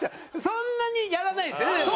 そんなにやらないですよねでも。